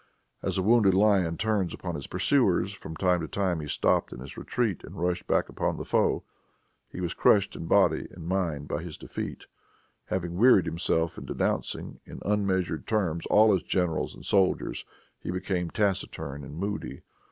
As a wounded lion turns upon his pursuers, from time to time he stopped in his retreat, and rushed back upon the foe. He was crushed in body and mind by this defeat. Having wearied himself in denouncing, in unmeasured terms, all his generals and soldiers, he became taciturn and moody.